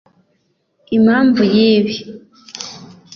Impamvu y’ibi